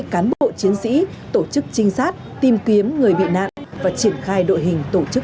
cán bộ chiến sĩ tổ chức trinh sát tìm kiếm người bị nạn và triển khai đội hình tổ chức